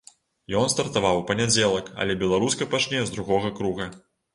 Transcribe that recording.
Ён стартаваў у панядзелак, але беларуска пачне з другога круга.